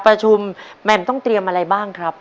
ประชุมแหม่มต้องเตรียมอะไรบ้างครับ